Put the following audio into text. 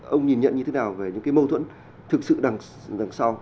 ông nhìn nhận như thế nào về những cái mâu thuẫn thực sự đằng sau